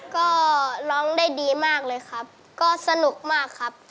ก็ร้องได้ดีมากเลยครับก็สนุกมากครับ